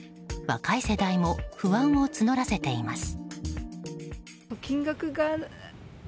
若い世代も不安を募らせています。